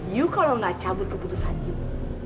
you kalau gak cabut keputusan you